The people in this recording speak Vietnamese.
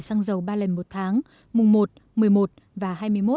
xăng dầu ba lần một tháng mùng một một mươi một và hai mươi một